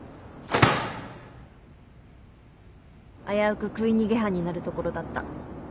危うく食い逃げ犯になるところだった。